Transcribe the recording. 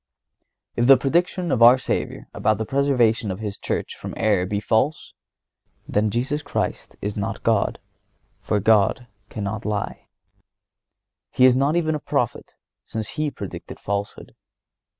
If the prediction of our Savior about the preservation of His Church from error be false, then Jesus Christ is not God, since God cannot lie. He is not even a prophet, since He predicted falsehood.